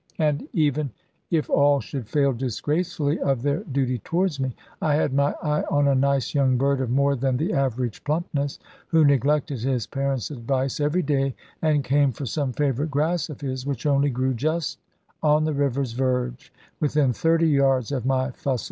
And even if all should fail disgracefully of their duty towards me, I had my eye on a nice young bird of more than the average plumpness, who neglected his parents' advice every day, and came for some favourite grass of his, which only grew just on the river's verge, within thirty yards of my fusil.